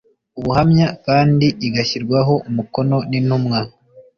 ubuhamya kandi igashyirwaho umukono n intumwa